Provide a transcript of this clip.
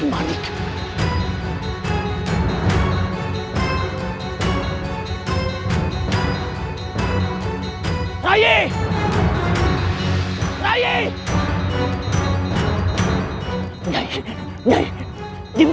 bawa dia pergi dari sini